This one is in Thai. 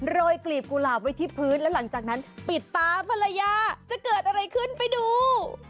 ยกลีบกุหลาบไว้ที่พื้นแล้วหลังจากนั้นปิดตาภรรยาจะเกิดอะไรขึ้นไปดู